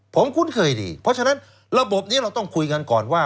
ผมคุ้นเคยดีเพราะฉะนั้นระบบนี้เราต้องคุยกันก่อนว่า